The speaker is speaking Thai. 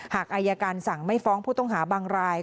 หากอายการสั่งไม่ฟ้องผู้ต้องหาบางราย